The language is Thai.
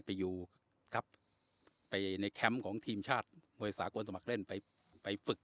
ไปอยู่ครับไปในแคมป์ของทีมชาติมวยสากลสมัครเล่นไปฝึก